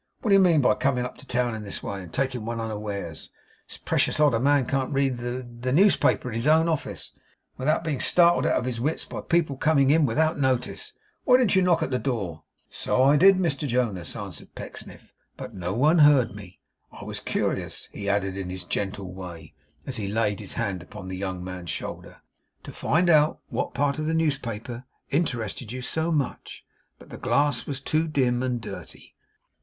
'What do you mean by coming up to town in this way, and taking one unawares? It's precious odd a man can't read the the newspaper in his own office without being startled out of his wits by people coming in without notice. Why didn't you knock at the door?' 'So I did, Mr Jonas,' answered Pecksniff, 'but no one heard me. I was curious,' he added in his gentle way as he laid his hand upon the young man's shoulder, 'to find out what part of the newspaper interested you so much; but the glass was too dim and dirty.